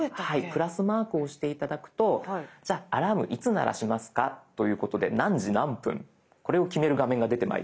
プラスマークを押して頂くとじゃあアラームいつ鳴らしますかということで何時何分これを決める画面が出てまいります。